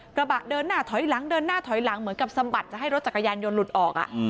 กระบะเดินหน้าถอยหลังเดินหน้าถอยหลังเหมือนกับสะบัดจะให้รถจักรยานยนต์หลุดออก